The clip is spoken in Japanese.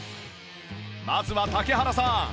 まずは竹原さん